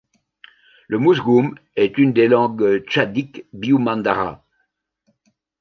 Le mousgoum est une des langues tchadiques biu-mandara.